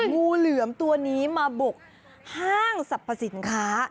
งูเหลือมตัวนี้มาบุกห้างสรรพสินค้า